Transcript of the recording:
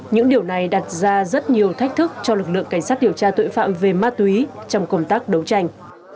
những điều này đặt ra rất nhiều thách thức cho lực lượng cảnh sát điều tra tội phạm về ma túy trong công tác đấu tranh